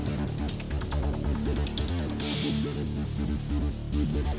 เนี่ยครับเจอรถแล้วครับตอนนี้หนูเจอรถแล้ว